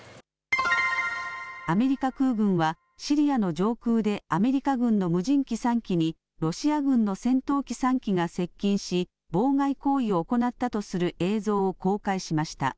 アメリカ空軍は、シリアの上空でアメリカ軍の無人機３機にロシア軍の戦闘機３機が接近し、妨害行為を行ったとする映像を公開しました。